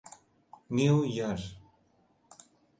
New year.